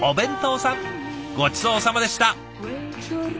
ごちそうさまでした！